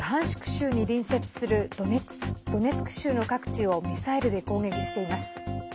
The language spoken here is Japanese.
州に隣接するドネツク州の各地をミサイルで攻撃しています。